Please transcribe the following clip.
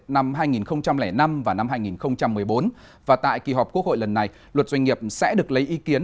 năm hai nghìn năm và năm hai nghìn một mươi bốn và tại kỳ họp quốc hội lần này luật doanh nghiệp sẽ được lấy ý kiến